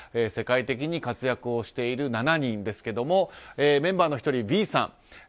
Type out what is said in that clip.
世界的に活躍をしている７人ですけどもメンバーの１人、Ｖさん。